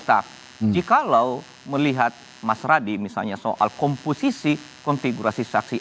saksi ahli dan saksi fakta jikalau melihat mas radi misalnya soal komposisi konfigurasi saksi